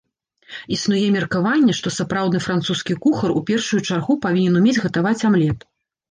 Існуе меркаванне, што сапраўдны французскі кухар у першую чаргу павінен умець гатаваць амлет.